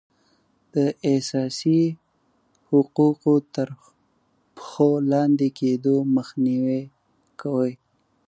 د اساسي حقوقو تر پښو لاندې کیدو مخنیوی کوي.